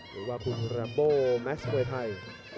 หรือว่าคุณแรมโบแมชมวยไทย